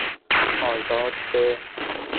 آزاد به